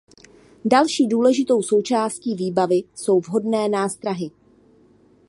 Další důležitou součástí výbavy jsou vhodné nástrahy.